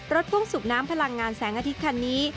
พ่วงสูบน้ำพลังงานแสงอาทิตย์คันนี้